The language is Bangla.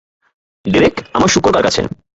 ডেরেক, আমার শূকর কার কাছে?